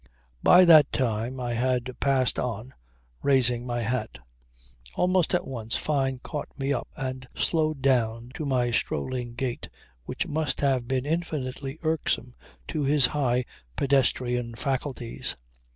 By that time I had passed on, raising my hat. Almost at once Fyne caught me up and slowed down to my strolling gait which must have been infinitely irksome to his high pedestrian faculties.